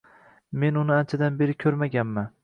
Men uni anchadan beri ko'rmaganman.